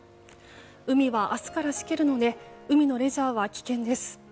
海は明日からしけるので海のレジャーは危険です。